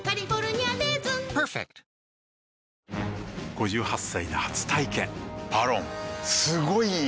５８歳で初体験「ＶＡＲＯＮ」すごい良い！